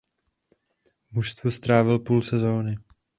V mužstvu strávil půl sezony.